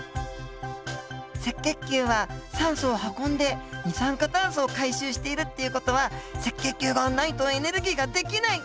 赤血球は酸素を運んで二酸化炭素を回収しているっていう事は赤血球がないとエネルギーができない！